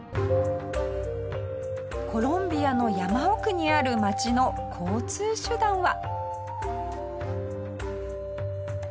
コロンビアの山奥にある町の交通手段は。